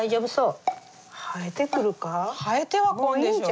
生えてはこんでしょ。